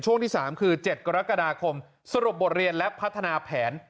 ช่วงที่๓คือ๗กรกฎาคมสรุปบทเรียนและพัฒนาแผน